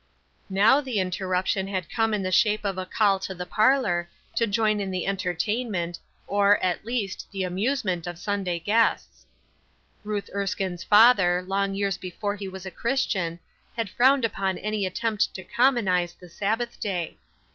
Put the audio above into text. Now the interruption had come in the shape of a call to the parlor, to join in the entertainment, or, at least, the amusement of Sun day guests. Ruth Erskine's father, long years before he was a Christian, had frowned upon any attempt to commonize the Sabbath day.